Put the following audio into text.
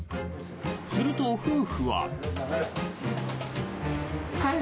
すると、夫婦は。